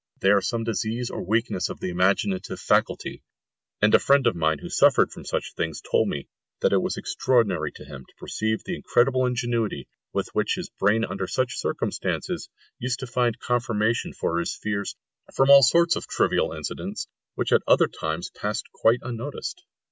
They are some disease or weakness of the imaginative faculty; and a friend of mine who suffered from such things told me that it was extraordinary to him to perceive the incredible ingenuity with which his brain under such circumstances used to find confirmation for his fears from all sorts of trivial incidents which at other times passed quite unnoticed.